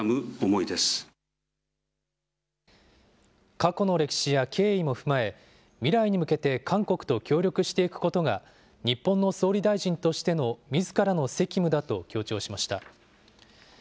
過去の歴史や経緯も踏まえ、未来に向けて韓国と協力していくことが、日本の総理大臣としてのみずからの責務だと強調しました。